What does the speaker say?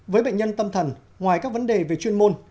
với bệnh nhân tâm thần ngoài các vấn đề về chuyên môn